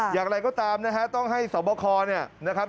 อยากอะไรก็ตามนะฮะต้องให้สอบบ้าคอร์